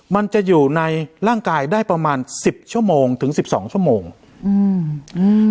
มันจะอยู่ในร่างกายได้ประมาณสิบชั่วโมงถึงสิบสองชั่วโมงอืมอืม